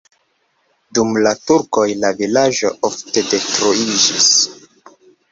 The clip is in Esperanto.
Dum la turkoj la vilaĝo ofte detruiĝis.